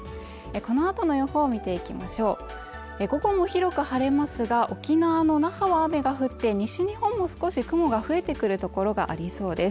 このあとの予報を見ていきましょう午後も広く晴れますが沖縄の那覇は雨が降って西日本も少し雲が増えてくるところがありそうです